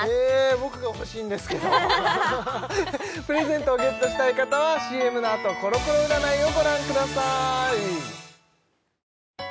僕が欲しいんですけどプレゼントをゲットしたい方はＣＭのあとコロコロ占いをご覧ください